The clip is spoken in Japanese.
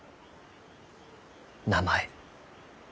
名前。